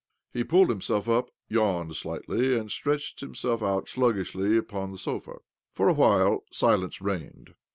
He pulled himself up, yawned slightly, and stretched himself out sluggishly upon the sofa. For a while silence reigned.